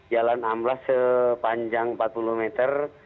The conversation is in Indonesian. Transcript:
jalan amblas sepanjang empat puluh meter